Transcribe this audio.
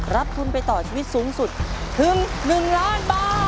รับทุนไปต่อชีวิตสูงสุดถึง๑ล้านบาท